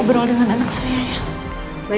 ngobrol dengan anak saya ya mau kesana nanti lagi